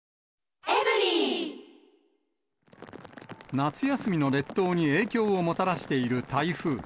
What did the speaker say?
夏休みの列島に影響をもたらしている台風。